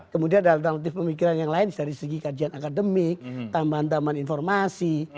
kemudian ada alternatif pemikiran yang lain dari segi kajian akademik tambahan tambahan informasi